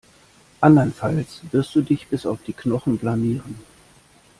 Andernfalls wirst du dich bis auf die Knochen blamieren.